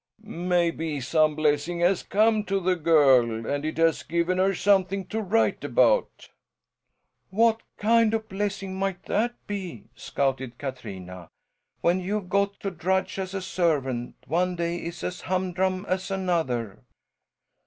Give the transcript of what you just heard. "Maybe some blessing has come to the girl, and it has given her something to write about." "What kind of blessing might that be?" scouted Katrina. "When you've got to drudge as a servant, one day is as humdrum as another."